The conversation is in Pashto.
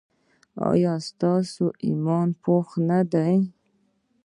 ایا ستاسو ایمان پاخه نه دی؟